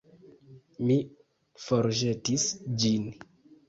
Mi forĵetis ĝin...